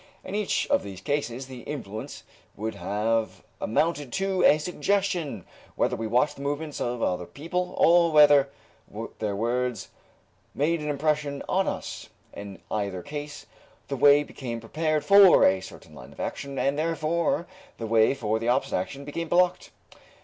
In each of these cases, the influence would have amounted to a suggestion. Whether we watched the movements of other people or whether their words made an impression on us, in either case the way became prepared for a certain line of action and therefore the way for the opposite action became blocked.